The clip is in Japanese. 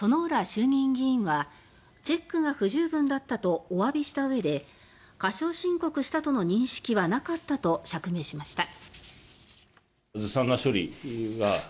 衆議院議員は「チェックが不十分だった」とお詫びしたうえで過少申告したとの認識はなかったと釈明しました。